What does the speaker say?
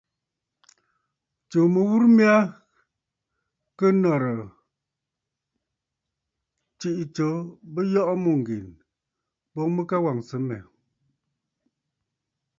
Tsuu mɨghurə mya kɨ nɔ̀rə̀, tsiʼì tsǒ bɨ yɔʼɔ mûŋgen, boŋ mɨ ka wàŋsə mmɛ̀.